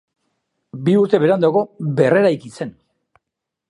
Bi urte beranduago berreraiki zen.